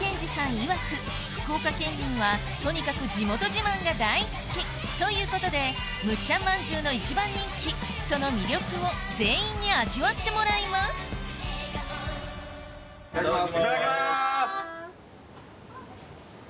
いわく福岡県民はとにかく地元自慢が大好きということでむっちゃん万十の一番人気その魅力を全員に味わってもらいますいただきます。